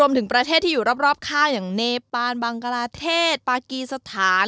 ถึงประเทศที่อยู่รอบข้างอย่างเนปานบังกลาเทศปากีสถาน